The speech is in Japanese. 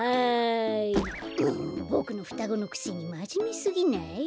もうボクのふたごのくせにまじめすぎない？